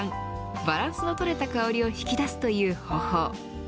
バランスのとれた香りを引き出すという方法。